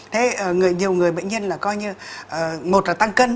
thế nhiều người bệnh nhân là coi như một là tăng cân